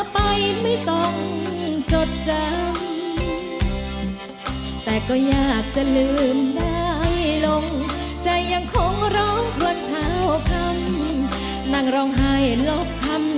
แผ่นไหนครับ